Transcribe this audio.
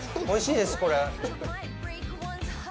おいしいです、これ。